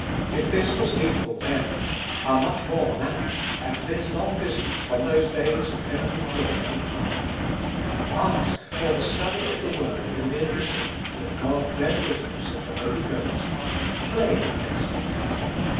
If this was needful then, how much more now, at this long distance from those days of heauenly joy and power. Ash, for the study of the Word in the Epistle, that God bear witness of the Holy Ghost. Claim and expect it.